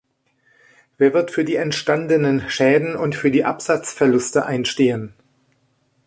Wer wird für die entstandenen Schäden und für die Absatzverluste einstehen?